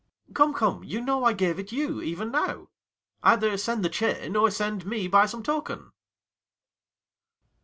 Ang. Come, come, you know I gave it you even now. 55 Either send the chain, or send me by some token.